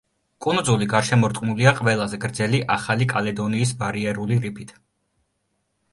კუნძული გარშემორტყმულია ყველაზე გრძელი ახალი კალედონიის ბარიერული რიფით.